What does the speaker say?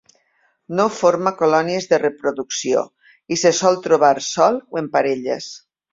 No forma colònies de reproducció, i se sol trobar sol o en parelles.